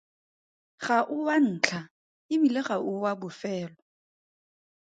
Ga o wa ntlha, e bile ga o wa bofelo.